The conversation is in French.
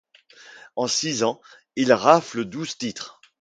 En six ans, il rafle douze titres.